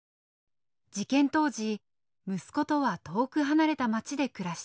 事件当時息子とは遠く離れた町で暮らしていた。